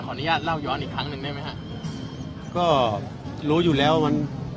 อนุญาตเล่าย้อนอีกครั้งหนึ่งได้ไหมฮะก็รู้อยู่แล้วมัน